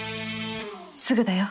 すぐだよ。